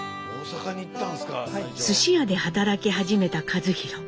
すし屋で働き始めた一寛。